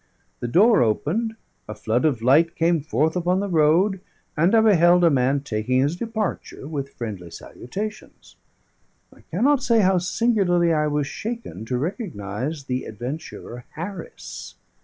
The door opened, a flood of light came forth upon the road, and I beheld a man taking his departure with friendly salutations. I cannot say how singularly I was shaken to recognise the adventurer Harris.